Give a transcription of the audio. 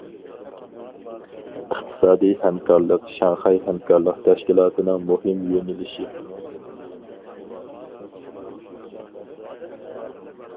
ئىقتىسادىي ھەمكارلىق شاڭخەي ھەمكارلىق تەشكىلاتىنىڭ مۇھىم يۆنىلىشى.